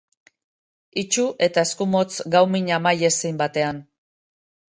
Itsu eta eskumotz gaumin amaiezin batean.